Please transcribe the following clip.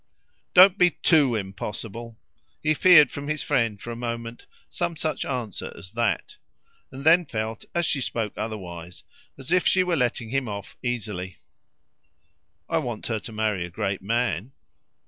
"Don't be TOO impossible!" he feared from his friend, for a moment, some such answer as that; and then felt, as she spoke otherwise, as if she were letting him off easily. "I want her to marry a great man."